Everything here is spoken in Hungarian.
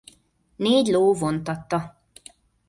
Négy ló vontatta.